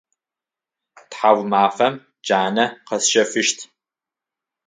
Тхьаумафэм джанэ къэсщэфыщт.